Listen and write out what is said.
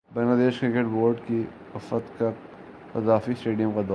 Bangladesh cricket board کے وفد کا قذافی اسٹیڈیم کا دورہ